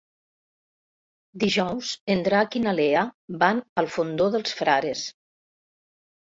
Dijous en Drac i na Lea van al Fondó dels Frares.